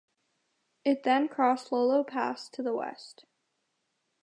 It then crossed Lolo Pass to the west.